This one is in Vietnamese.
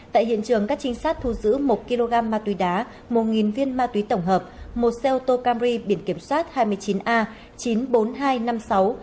tại hiện trường các trinh sát thu giữ một kg ma túy đá một viên ma túy tổng hợp một xe ô tô camry biển kiểm soát hai mươi chín a chín trăm bốn mươi hai năm mươi sáu